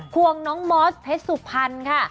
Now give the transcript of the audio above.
วงน้องมอสเพชรสุพรรณค่ะ